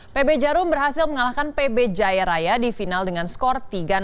pb jarum berhasil mengalahkan pb jaya raya di final dengan skor tiga enam